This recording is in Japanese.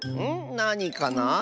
なにかな？